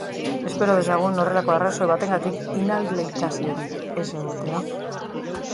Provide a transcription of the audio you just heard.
Espero dezagun horrelako arrazoi batengatik inhabilitaziorik ez egotea.